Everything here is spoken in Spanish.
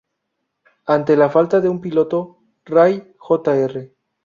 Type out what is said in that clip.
Ante la falta de un piloto, Ray Jr.